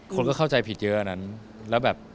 คนก็เข้าใจผิดเยอะอันนั้น